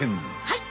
はい！